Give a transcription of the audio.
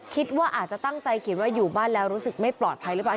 คิดว่าอาจจะตั้งใจเขียนว่าอยู่บ้านแล้วรู้สึกไม่ปลอดภัยหรือเปล่า